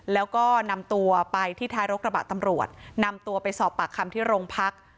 แล้วก็นำตัวไปที่ท้ายรกระบะตำรวจนำตัวไปสอบปากคำที่โรงพัก